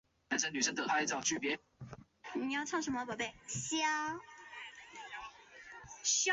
穆尼弗拉特是位于美国加利福尼亚州内华达县的一个非建制地区。